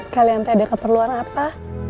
kalian ada keperluan apa